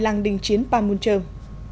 làng đình chiến panmunjom